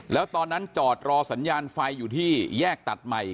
แล้วตอนนั้นจอดรอสัญญาณไฟอยู่ที่แยกตัดใหม่